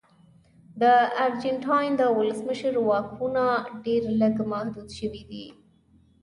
د ارجنټاین د ولسمشر واکونه ډېر لږ محدود شوي دي.